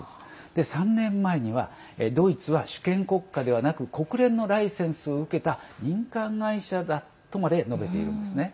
３年前にはドイツは主権国家ではなく国連のライセンスを受けた民間会社だとまで述べているんですね。